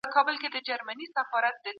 بهرنۍ تګلاره بې له وضاحت نه نه بریالۍ کيږي.